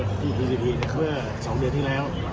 ขเตอร์ซองเดือนที่แล้ว